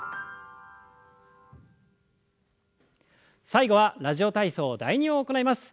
最後は「ラジオ体操第２」を行います。